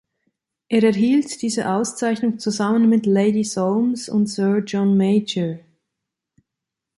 Er erhielt diese Auszeichnung zusammen mit Lady Soames und Sir John Major.